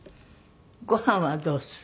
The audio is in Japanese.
ご飯はどうする？